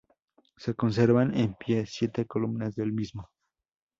Se conservan en pie siete columnas del mismo.